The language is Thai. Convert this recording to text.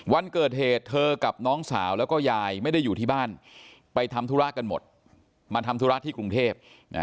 วันเกิดเหตุเธอกับน้องสาวแล้วก็ยายไม่ได้อยู่ที่บ้านไปทำธุระกันหมดมาทำธุระที่กรุงเทพ